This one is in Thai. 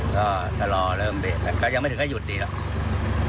ก็จะรอเริ่มเบ้กแล้วยังไม่ถึงยุดดีหรอก